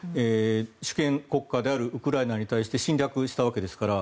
主権国家であるウクライナに対して侵略したわけですから。